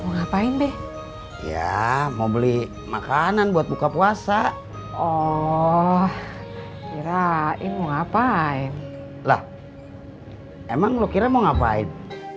ngapain deh ya mau beli makanan buat buka puasa oh kirain ngapain lah emang lo kira mau ngapain